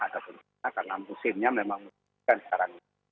karena musimnya memang